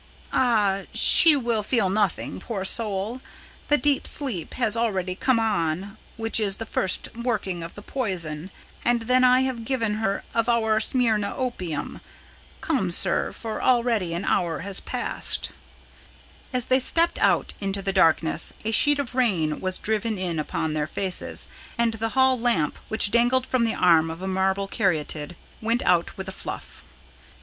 "Ah! she will feel nothing, poor soul. The deep sleep has already come on, which is the first working of the poison. And then I have given her of our Smyrna opium. Come, sir, for already an hour has passed." As they stepped out into the darkness, a sheet of rain was driven in upon their faces, and the hall lamp, which dangled from the arm of a marble Caryatid, went out with a fluff.